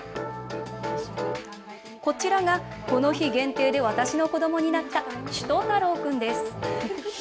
こちらがこの日限定で私の子どもになったしゅと太郎くんです。